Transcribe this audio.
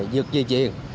dược di chuyển